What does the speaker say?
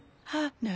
ねえ！